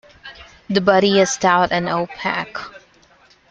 The body is stout and opaque.